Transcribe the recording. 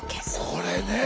これね。